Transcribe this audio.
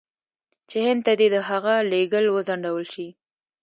چې هند ته دې د هغه لېږل وځنډول شي.